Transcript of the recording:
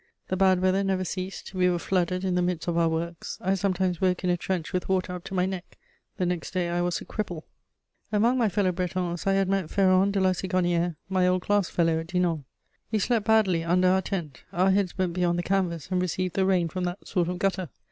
The bad weather never ceased; we were flooded in the midst of our works; I sometimes woke in a trench with water up to my neck: the next day, I was a cripple. Among my fellow Bretons I had met Ferron de La Sigonnière, my old class fellow at Dinan. We slept badly under our tent; our heads went beyond the canvas and received the rain from that sort of gutter.